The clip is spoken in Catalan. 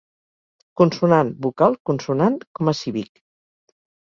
Consonant, vocal, consonant, com a cívic.